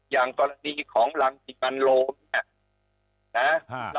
อย่างกรณีของลังสิบนัดโลมนะครับ